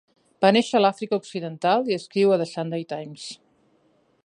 Va néixer a l'Àfrica occidental i escriu a "The Sunday Times".